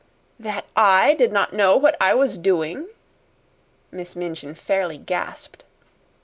"That I did not know what I was doing?" Miss Minchin fairly gasped.